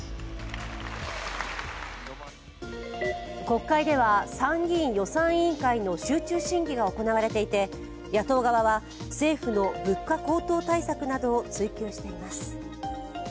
国会では参議院予算委員会の集中審議が行われていて野党側は、政府の物価高騰対策などを追及しています。